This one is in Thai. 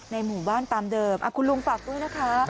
หมู่บ้านตามเดิมคุณลุงฝากด้วยนะคะ